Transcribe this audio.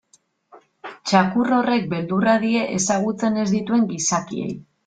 Txakur horrek beldurra die ezagutzen ez dituen gizakiei.